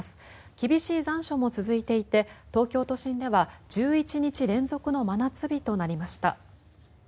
厳しい残暑も続いていて東京都心では１１日連続の真夏日となりました。